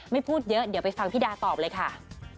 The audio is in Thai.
พูดเยอะเดี๋ยวไปฟังพี่ดาตอบเลยค่ะ